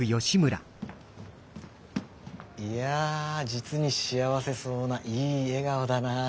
いや実に幸せそうないい笑顔だな。